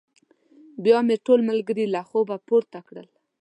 بيا مې ټول ملګري له خوبه پورته کړل.